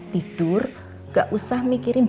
tidur gak usah mikirin